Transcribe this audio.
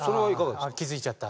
あ気付いちゃった？